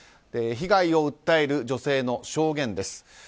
被害を訴える女性の証言です。